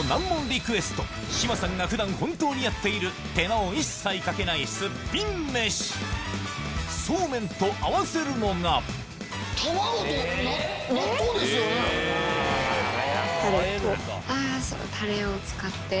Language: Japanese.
リクエスト志麻さんが普段本当にやっている手間を一切かけないスッピン飯そうめんと合わせるのがあぁタレを使って。